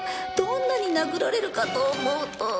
どんなに殴られるかと思うと